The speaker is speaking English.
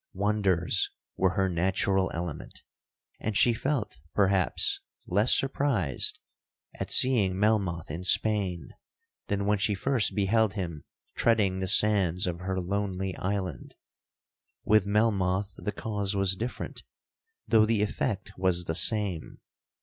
Wonders were her natural element; and she felt, perhaps, less surprised at seeing Melmoth in Spain, than when she first beheld him treading the sands of her lonely island. With Melmoth the cause was different, though the effect was the same.